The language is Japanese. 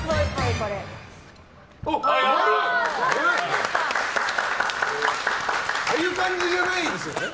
こういう感じじゃないですよね？